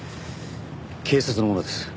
警察の者です。